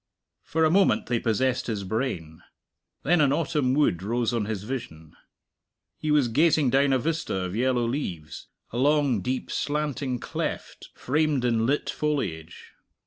For a moment they possessed his brain. Then an autumn wood rose on his vision. He was gazing down a vista of yellow leaves; a long, deep slanting cleft, framed in lit foliage.